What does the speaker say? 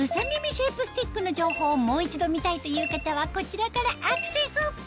シェイプスティックの情報をもう一度見たいという方はこちらからアクセス！